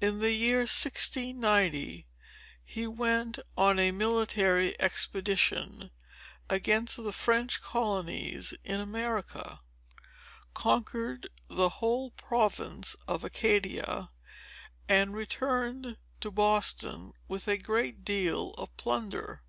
In the year 1690, he went on a military expedition against the French colonies in America, conquered the whole province of Acadie, and returned to Boston with a great deal of plunder."